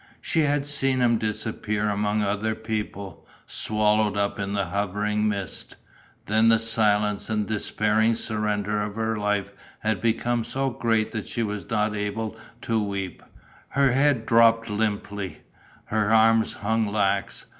She had seen him disappear among other people, swallowed up in the hovering mist. Then the silent and despairing surrender of her life had become so great that she was not even able to weep. Her head dropped limply, her arms hung lax.